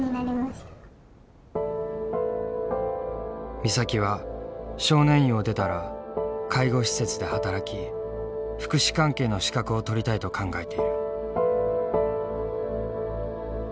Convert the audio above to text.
美咲は少年院を出たら介護施設で働き福祉関係の資格を取りたいと考えている。